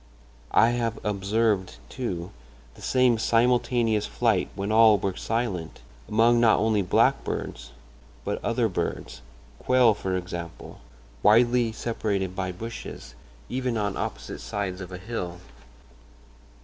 I have observed, too, the same simultaneous flight when all were silent, among not only blackbirds, but other birds—quail, for example, widely separated by bushes—even on opposite sides of a hill.